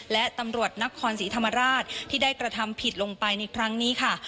และตำรวจนครศรีธรรมราชที่ได้กระทำผิดลงไปในครั้งนี้ค่ะ